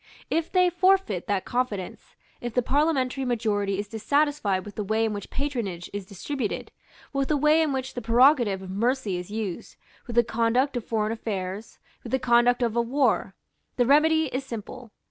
If they forfeit that confidence, if the parliamentary majority is dissatisfied with the way in which patronage is distributed, with the way in which the prerogative of mercy is used, with the conduct of foreign affairs, with the conduct of a war, the remedy is simple.